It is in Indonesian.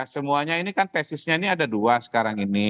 semuanya ini kan tesisnya ini ada dua sekarang ini